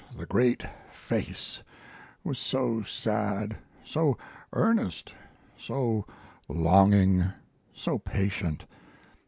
The great face was so sad, so earnest, so longing, so patient.